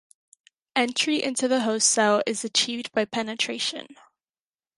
Entry into the host cell is achieved by penetration.